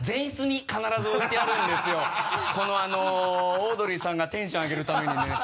オードリーさんがテンション上げるためにね。